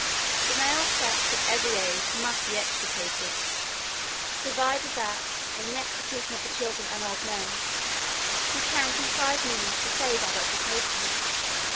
The male sex of every age must be extirpated; provided that, in the execution of the children and old men, you can contrive means to save our reputation.